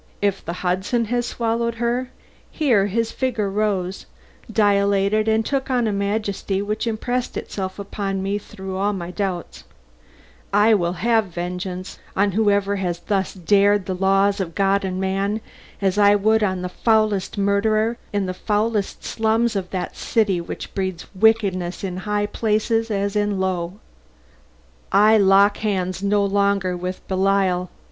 If the Hudson has swallowed her " here his figure rose, dilated and took on a majesty which impressed itself upon me through all my doubts "I will have vengeance on whoever has thus dared the laws of God and man as I would on the foulest murderer in the foulest slums of that city which breeds wickedness in high places as in low. I lock hands no longer with Belial.